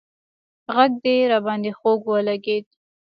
غږ دې راباندې خوږ ولگېد